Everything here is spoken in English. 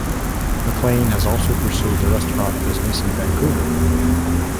McLean has also pursued the restaurant business in Vancouver.